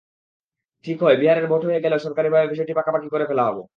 ঠিক হয়, বিহারের ভোট হয়ে গেলে সরকারিভাবে বিষয়টি পাকাপাকি করে ফেলা হবে।